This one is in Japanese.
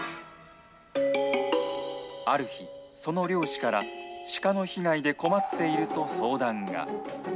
ある日、その猟師からシカの被害で困っていると相談が。